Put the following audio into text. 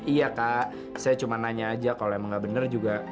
iya kak saya cuma nanya aja kalau emang nggak bener juga